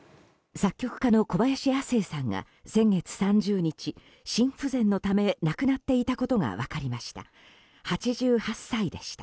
作曲家の小林亜星さんが先月３０日心不全のため亡くなっていたことが分かりました。